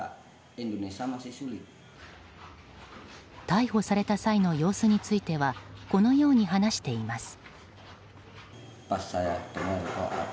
逮捕された際の様子についてはこのように話しています。